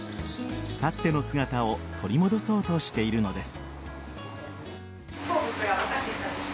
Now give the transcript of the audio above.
かつての姿を取り戻そうとしているのです。